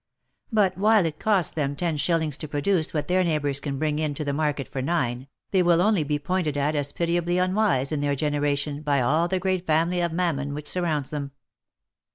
But while it costs them ten shillings to produce what their neighbours can bring into the market for nine, they will only be pointed at as pitiably unwise in their generation by all the great family of Mammon which surrounds them.